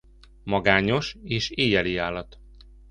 Magányos és éjjeli állat.